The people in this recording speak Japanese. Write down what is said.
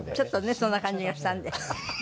そんな感じがしたんで。